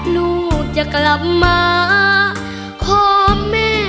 ลูกจริงด้วยความรักษาแรก